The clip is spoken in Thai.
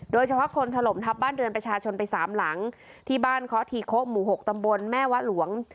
โดยเฉพาะคนถล่มทับบ้านเรือนประชาชนไปสามหลังที่บ้านเคาะทีโคหมู่๖ตำบลแม่วะหลวง